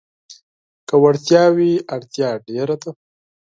که وړتيا وي، اړتيا ډېره ده.